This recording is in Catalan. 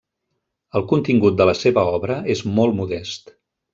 El contingut de la seva obra és molt modest.